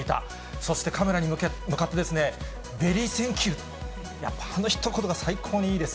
そしてカメラに向かってベリーセンキュー、やっぱ、あのひと言が最高にいいです。